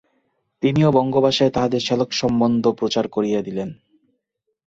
তিনিও বঙ্গভাষায় তাহাদের শ্যালক-সম্বন্ধ প্রচার করিয়া দিলেন।